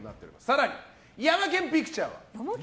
更に、ヤマケン・ピクチャー。